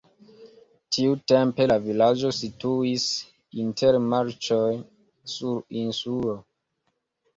Tiutempe la vilaĝo situis inter marĉoj sur insulo.